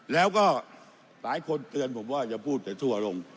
แล้วก็หลายคนเตือนผมว่าอย่าพูดแต่ชั่วลง